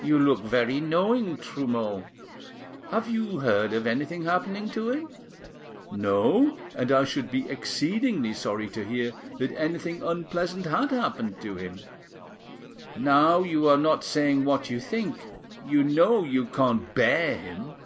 "You look very knowing, Trumeau: have you heard of anything happening to him?" "No, and I should be exceedingly sorry to hear that anything unpleasant had happened to him." Now you are not saying what you think, you know you can't bear him."